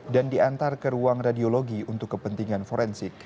dan diantar ke ruang radiologi untuk kepentingan forensik